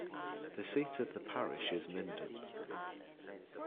The seat of the parish is Minden.